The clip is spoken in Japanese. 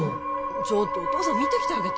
ちょっとお父さん見てきてあげて・